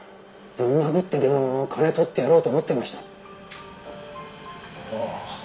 ぶん殴ってでもやってやろうと思いました。